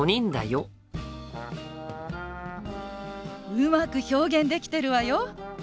うまく表現できてるわよ！